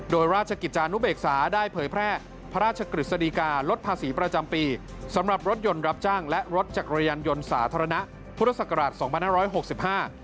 โดยราชกิจจานุเบกษาได้เผยแพร่พระราชกฤษฎีกาลดภาษีประจำปีสำหรับรถยนต์รับจ้างและรถจักรยานยนต์สาธารณะพุทธศักราชสองพันห้าร้อยหกสิบห้า